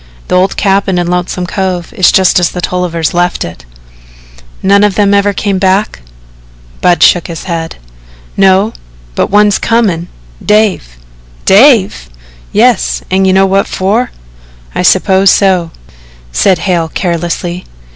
"The old cabin in Lonesome Cove is just as the Tollivers left it." "None of them ever come back?" Budd shook his head. "No, but one's comin' Dave." "Dave!" "Yes, an' you know what for." "I suppose so," said Hale carelessly.